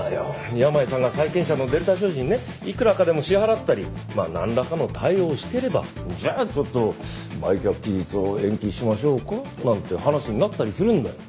山家さんが債権者のデルタ商事にねいくらかでも支払ったりまあなんらかの対応をしてればじゃあちょっと売却期日を延期しましょうかなんて話になったりするんだよ。